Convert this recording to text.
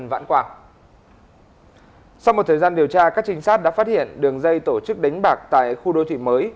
đang điều tra các trinh sát đã phát hiện đường dây tổ chức đánh bạc tại khu đô thủy mới